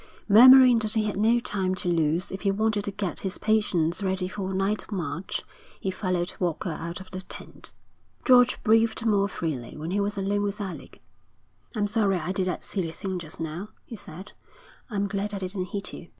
Murmuring that he had no time to lose if he wanted to get his patients ready for a night march, he followed Walker out of the tent. George breathed more freely when he was alone with Alec. 'I'm sorry I did that silly thing just now,' he said. 'I'm glad I didn't hit you.'